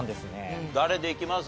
誰でいきます？